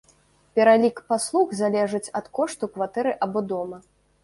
Пералік паслуг залежыць ад кошту кватэры або дома.